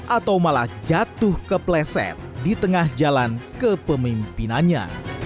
atau malah jatuh kepleset di tengah jalan kepemimpinannya